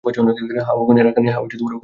হ্যাঁ, ওখানে রাখা নেই।